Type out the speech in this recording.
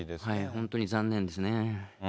本当に残念ですね。